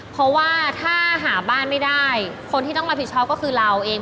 เพราะว่าถ้าหาบ้านไม่ได้คนที่ต้องรับผิดชอบก็คือเราเอง